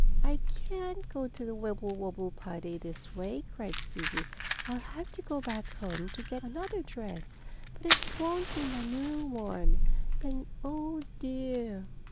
"I can't go to the Wibblewobble party this way," cried Susie. "I'll have to go back home to get another dress, and it won't be my new one and oh, dear!"